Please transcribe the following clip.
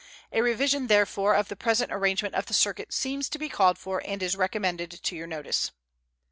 A revision, therefore, of the present arrangement of the circuit seems to be called for and is recommended to your notice.